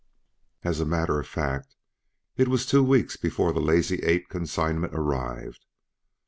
As a matter of fact, it was two weeks before the Lazy Eight consignment arrived.